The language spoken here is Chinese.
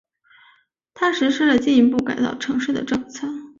他实施了进一步改造城市的政策。